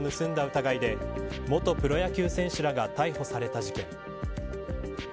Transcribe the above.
疑いで元プロ野球選手らが逮捕された事件。